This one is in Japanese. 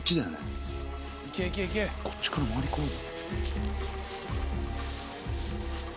こっちから回り込むね。